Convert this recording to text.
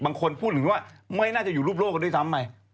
บางคนพูดถึงว่าไม่น่าจะอยู่รูปโลกกันด้วยซ้ำ